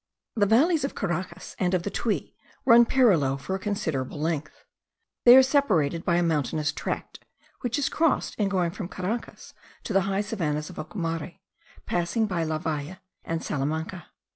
The valleys of Caracas and of the Tuy run parallel for a considerable length. They are separated by a mountainous tract, which is crossed in going from Caracas to the high savannahs of Ocumare, passing by La Valle and Salamanca.